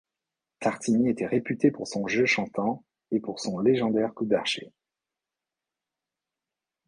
Tartini était réputé pour son jeu chantant et pour son légendaire coup d'archet.